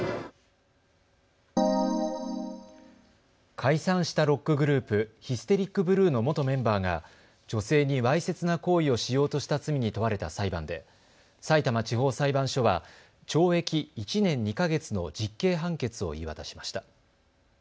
解散したロックグループ、ヒステリックブルーの元メンバーが女性にわいせつな行為をしようとした罪に問われた裁判でさいたま地方裁判所は懲役１年２か月の実刑判決を言い渡しました。